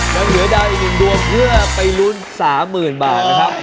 ยังเหลือดาวอีก๑ดวงเพื่อไปลุ้น๓๐๐๐บาทนะครับ